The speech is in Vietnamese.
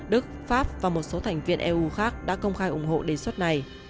đức pháp và một số thành viên eu khác đã công khai ủng hộ đề xuất này